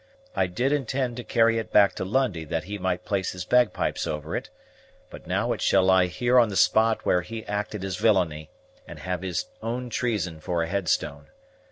I did intend to carry it back to Lundie that he might play his bagpipes over it, but now it shall lie here on the spot where he acted his villainy, and have his own treason for a headstone.